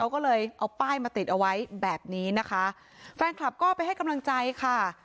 ก็เลยเอาป้ายมาติดเอาไว้แบบนี้นะคะแฟนคลับก็ไปให้กำลังใจค่ะ